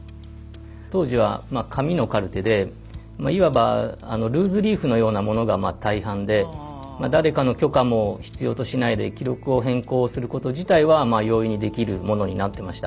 当時は紙のカルテでいわばルーズリーフのようなものが大半で誰かの許可も必要としないで記録を変更すること自体は容易にできるものになってました。